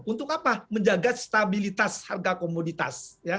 untuk apa menjaga stabilitas harga komoditas